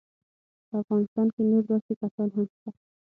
په افغانستان کې نور داسې کسان هم شته.